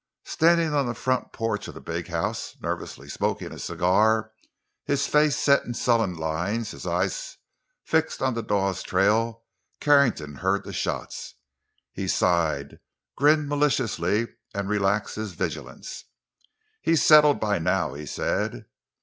Standing on the front porch of the big house, nervously smoking a cigar, his face set in sullen lines, his eyes fixed on the Dawes trail, Carrington heard the shots. He sighed, grinned maliciously, and relaxed his vigilance. "He's settled by now," he said.